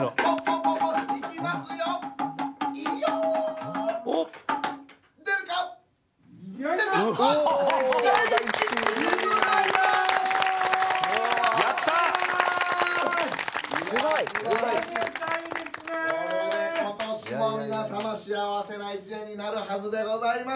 これで今年も皆様幸せな一年になるはずでございます。